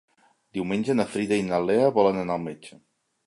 Diumenge na Frida i na Lea volen anar al metge.